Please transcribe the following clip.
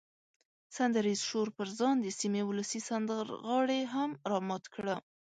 سندریز شور پر ځان د سیمې ولسي سندرغاړي هم را مات کړه.